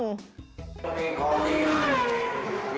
ครับ